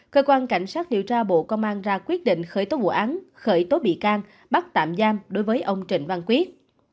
cơ quan cảnh sát điều tra bộ công an ra quyết định khởi tố vụ án khởi tố bị can bắt tạm giam đối với ông trịnh văn quyết